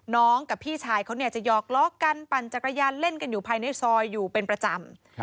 กับพี่ชายเขาเนี่ยจะหยอกล้อกันปั่นจักรยานเล่นกันอยู่ภายในซอยอยู่เป็นประจำ